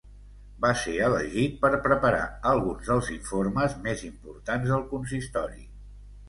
Va ser elegit per preparar alguns dels informes més importants del consistori.